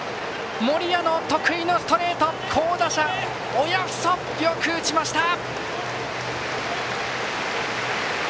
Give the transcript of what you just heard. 森谷の得意のストレート好打者、親富祖よく打ちました！